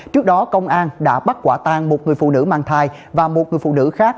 trước đó công an đã bắt quả tang một người phụ nữ mang thai và một người phụ nữ khác